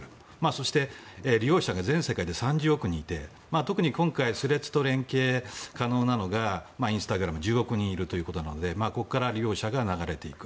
そして、利用者が全世界で３０億人いて特に今回スレッズと連携可能なのはインスタグラム１０億人いるということなのでここから利用者が流れていく。